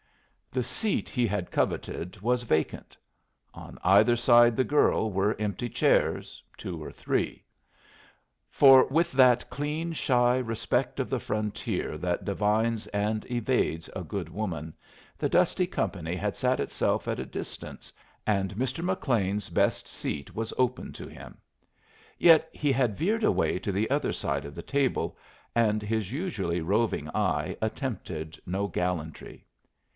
The seat he had coveted was vacant. On either side the girl were empty chairs, two or three; for with that clean, shy respect of the frontier that divines and evades a good woman, the dusty company had sat itself at a distance, and Mr. McLean's best seat was open to him. Yet he had veered away to the other side of the table, and his usually roving eye attempted no gallantry.